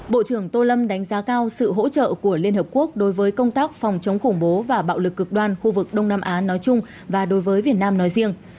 bộ trưởng tô lâm đánh giá cao sự hỗ trợ của liên hợp quốc đối với công tác phòng chống khủng bố và bạo lực cực đoan khu vực đông nam á nói chung và đối với việt nam nói riêng